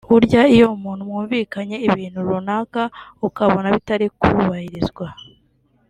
Burya iyo umuntu mwumvikanye ibintu runaka ukabona bitari kubahirizwa